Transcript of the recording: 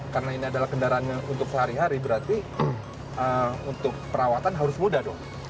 karena ini adalah kendaraan untuk sehari hari berarti untuk perawatan harus mudah dong